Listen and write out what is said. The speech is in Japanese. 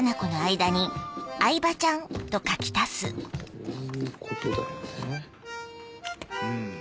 こういうことだよねうん。